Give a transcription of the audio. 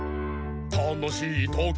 「たのしいとき」